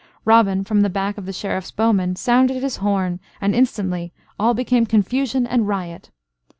Robin, from the back of the Sheriff's bowmen, sounded his horn, and instantly all became confusion and riot.